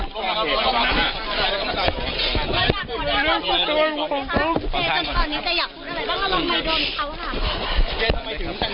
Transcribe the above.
คุยให้คุณผู้ชมฟังของ